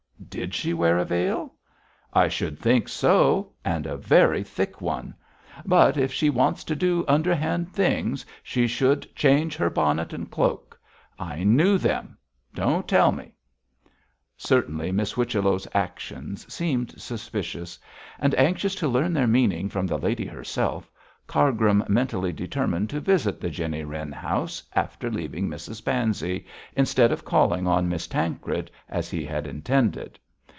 'Did she wear a veil?' 'I should think so; and a very thick one. But if she wants to do underhand things she should change her bonnet and cloak. I knew them! don't tell me!' Certainly, Miss Whichello's actions seemed suspicious; and, anxious to learn their meaning from the lady herself, Cargrim mentally determined to visit the Jenny Wren house after leaving Mrs Pansey, instead of calling on Miss Tancred, as he had intended.